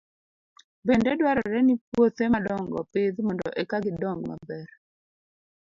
Bende dwarore ni puothe madongo opidh mondo eka gidong maber.